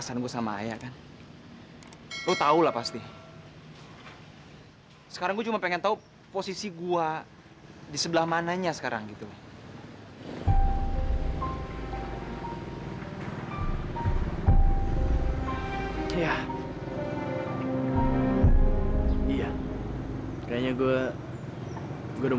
sampai jumpa di video selanjutnya